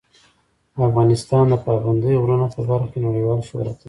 افغانستان د پابندی غرونه په برخه کې نړیوال شهرت لري.